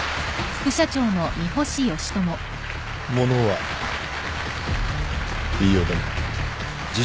物は言いようだね。